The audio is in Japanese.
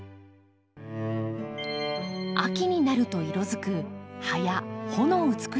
秋になると色づく葉や穂の美しさもこの庭の魅力。